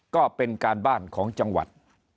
ก็เป็นการบ้านของจังหวัด